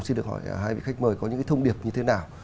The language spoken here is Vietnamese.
xin được hỏi hai vị khách mời có những cái thông điệp như thế nào